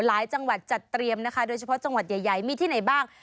หลายจังหวัดจัดเตรียมนะคะโดยเฉพาะจังหวัดใหญ่มีที่ไหนบ้าง